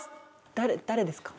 誰誰ですか？